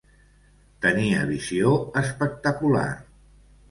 Tenia visió espectacular.